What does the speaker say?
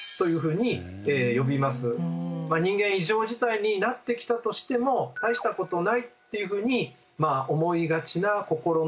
人間異常事態になってきたとしても大したことないっていうふうに思いがちな心の働きのこと。